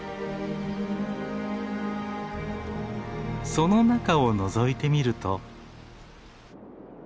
その中をのぞいてみると。